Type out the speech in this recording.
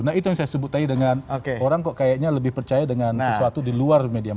nah itu yang saya sebut tadi dengan orang kok kayaknya lebih percaya dengan sesuatu di luar media